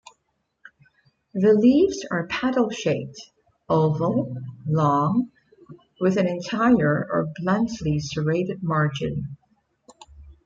The leaves are paddle-shaped oval, long, with an entire or bluntly serrated margin.